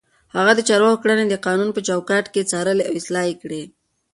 هغه د چارواکو کړنې د قانون په چوکاټ کې څارلې او اصلاح يې کړې.